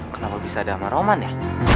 kenapa bisa ada sama roman ya